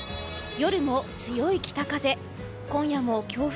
夜も強い北風。